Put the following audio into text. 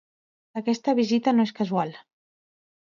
Aquesta visita no és casual.